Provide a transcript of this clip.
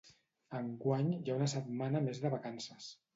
Enguany hi ha una setmana més de vacances.